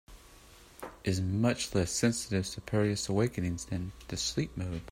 Is much less sensitive to spurious awakenings than the sleep mode.